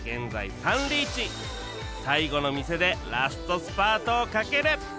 最後の店でラストスパートをかける！